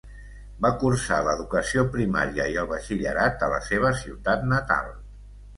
Va cursar l'educació primària i el batxillerat a la seva ciutat natal.